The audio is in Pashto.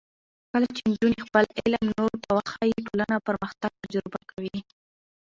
کله چې نجونې خپل علم نورو ته وښيي، ټولنه پرمختګ تجربه کوي.